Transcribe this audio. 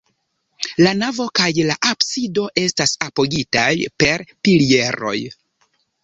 La navo kaj la absido estas apogitaj per pilieroj.